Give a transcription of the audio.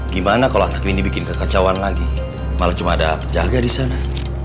gimana kalau anak ini bikin kekacauan lagi malah cuma ada penjaga di sana